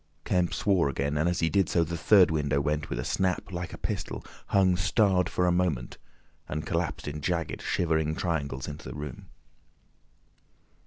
Kemp swore again, and as he did so the third window went with a snap like a pistol, hung starred for a moment, and collapsed in jagged, shivering triangles into the room.